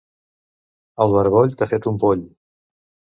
El barboll t'ha fet un poll.